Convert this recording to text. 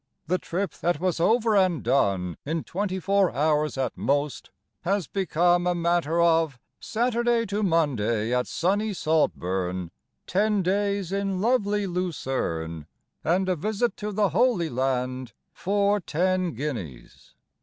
The trip that was over and done In twenty four hours at most Has become a matter Of "Saturday to Monday at Sunny Saltburn," "Ten days in Lovely Lucerne," And "A Visit to the Holy Land for Ten Guineas."